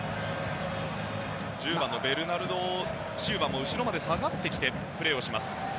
１０番のベルナルド・シウバも後ろまで下がってプレーをします。